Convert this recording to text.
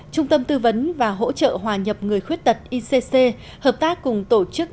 trung tâm tư vấn và hỗ trợ hòa nhập người khuyết tật icc hợp tác cùng tổ chức